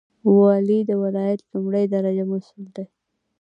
والی د ولایت لومړی درجه مسوول دی